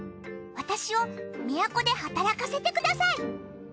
私を都で働かせてください。